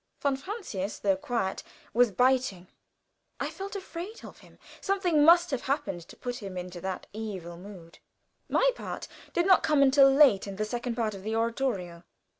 Von Francius, though quiet, was biting. I felt afraid of him. Something must have happened to put him into that evil mood. My part did not come until late in the second part of the oratorio.